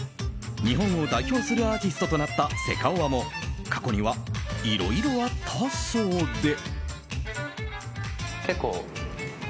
日本を代表するアーティストとなったセカオワも過去にはいろいろあったそうで。